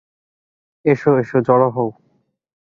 এসো, এসো, জড়ো হও।